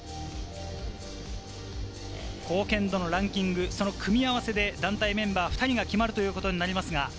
貢献度のランキング、その組み合わせで団体メンバー２人が決まるということになります。